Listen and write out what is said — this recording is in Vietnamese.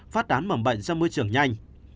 phát đán mầm bệnh trong môi trường nhanh